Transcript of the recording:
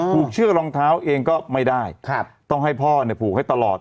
เชือกรองเท้าเองก็ไม่ได้ต้องให้พ่อเนี่ยผูกให้ตลอด